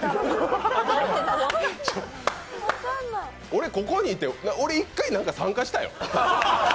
俺ここにいて、１回何か参加したよ。